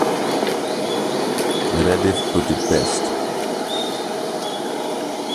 Meredith put it best.